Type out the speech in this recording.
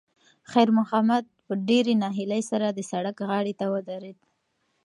خیر محمد په ډېرې ناهیلۍ سره د سړک غاړې ته ودرېد.